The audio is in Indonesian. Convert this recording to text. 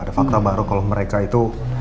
ada fakta baru kalau mereka itu